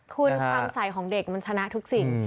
คุณความใส่ของเด็กมันชนะทุกสิ่ง